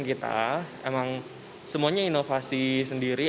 kita emang semuanya inovasi sendiri